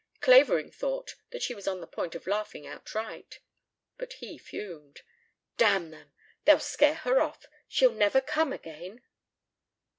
Clavering thought that she was on the point of laughing outright. But he fumed. "Damn them! They'll scare her off. She'll never come again."